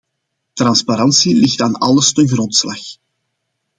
Transparantie ligt aan alles ten grondslag.